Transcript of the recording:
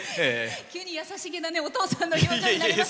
急な優しげなお父さんの表情になりました。